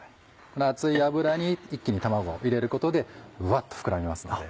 この熱い油に一気に卵を入れることでわっと膨らみますので。